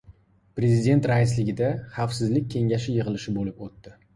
Prezident raisligida Xavfsizlik kengashi yig‘ilishi bo‘lib o‘tdi